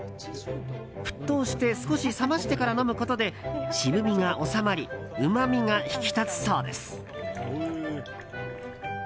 沸騰して少し冷ましてから飲むことで渋みが収まりうまみが引き立つそうです。